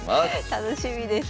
楽しみです。